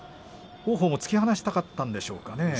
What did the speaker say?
王鵬も突き放したかったんでしょうかね。